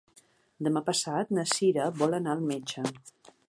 Demà passat na Cira vol anar al metge.